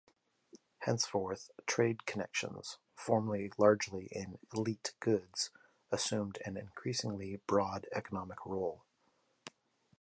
Henceforth trade connections, formerly largely in elite goods, assumed an increasingly broad economic role.